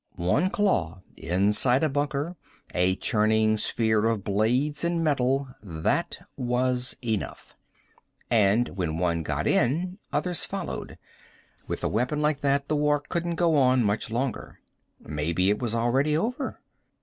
One claw inside a bunker, a churning sphere of blades and metal that was enough. And when one got in others followed. With a weapon like that the war couldn't go on much longer. Maybe it was already over.